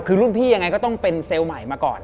คือรุ่นพี่ยังไงก็ต้องเป็นเซลล์ใหม่มาก่อน